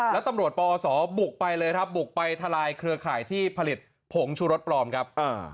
แล้วตำรวจปอสบุกไปทารายเคือข่ายที่ผลิตผงชูรสปลอมครับ